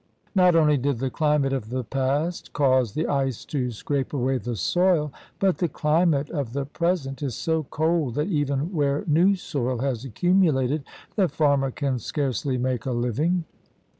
Not only did the climate of the past cause the ice to scrape away the soil, but the climate of the present is so cold that even where new soil has accumulated the farmer can scarcely make a living.